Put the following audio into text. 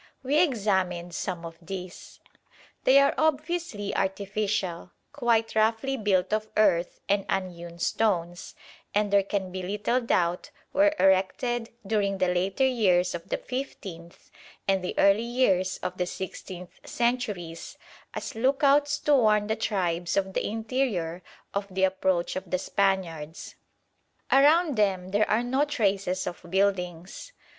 We examined some of these. They are obviously artificial, quite roughly built of earth and unhewn stones, and, there can be little doubt, were erected during the later years of the fifteenth and the early years of the sixteenth centuries as "look outs" to warn the tribes of the interior of the approach of the Spaniards. Around them are no traces of buildings.